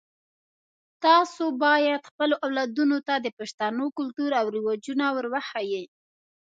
تاسو باید خپلو اولادونو ته د پښتنو کلتور او رواجونه ور وښایئ